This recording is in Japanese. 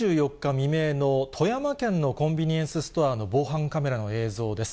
未明の富山県のコンビニエンスストアの防犯カメラの映像です。